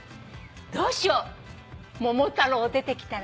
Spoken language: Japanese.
どうしよう桃太郎出てきたら。